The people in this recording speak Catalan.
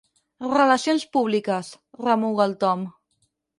Relacions públiques, remuga el Tom.